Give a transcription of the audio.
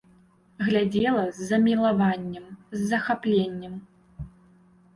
Глядзела з замілаваннем, з захапленнем.